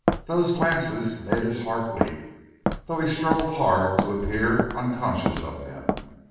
Those glances made his heart leap, though he strove hard to appear unconscious of them.